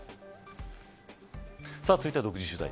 続いては、独自取材。